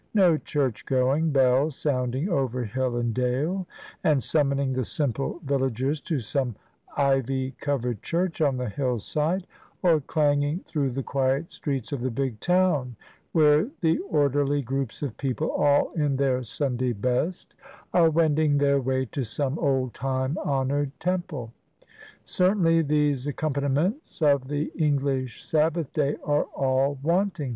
No church going bell sounding over hill and dale, and summoning the simple villagers to some ivy covered church on the hill side, or clanging through the quiet streets of the big town, where the orderly groups of people, all in their Sunday best, are wending their way to some old time honored temple. Certainly these accompaniments of the English Sabbath day are all wanting.